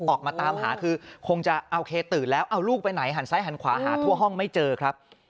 ออกมาตามหาคือคงจะโอเคตื่นแล้วเอาลูกไปไหนหันซ้ายหันขวาหาทั่วห้องไม่เจอครับ